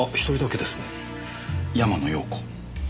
山野陽子。